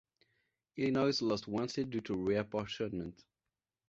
Illinois lost one seat due to reapportionment.